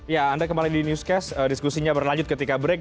ya anda kembali di newscast diskusinya berlanjut ketika break